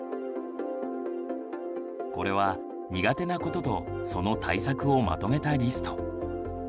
これは苦手なこととその対策をまとめたリスト。